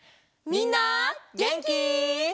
みんなげんき？